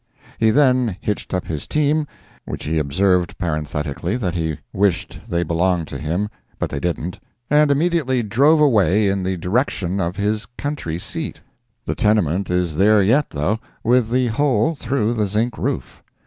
He then hitched up his team, which he observed parenthetically that he wished they belonged to him, but they didn't and immediately drove away in the direction of his country seat. The tenement is there yet, though, with the hole through the zinc roof.